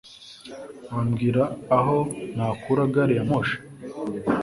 Wambwira aho nakura gari ya moshi?